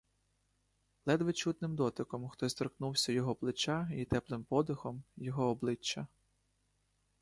Ледве чутним дотиком хтось торкнувся його плеча й теплим подихом — його обличчя.